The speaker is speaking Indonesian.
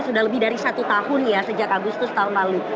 sudah lebih dari satu tahun ya sejak agustus tahun lalu